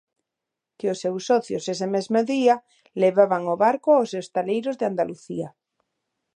Que os seus socios ese mesmo día levaban o barco aos estaleiros de Andalucía.